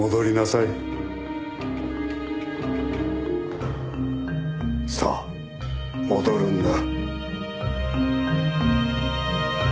さあ戻るんだ。